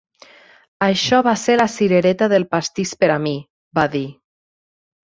"Això va ser la cirereta del pastís per a mi", va dir.